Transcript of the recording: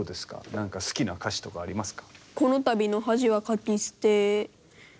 何か好きな歌詞とかありますか？